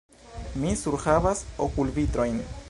Mi surhavas okulvitrojn.